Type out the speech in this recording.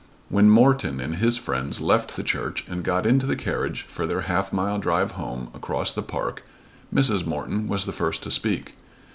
When Morton and his friends left the church and got into the carriage for their half mile drive home across the park, Mrs. Morton was the first to speak.